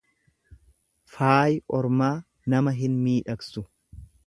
Faayi ormaa nama hin miidhagsu.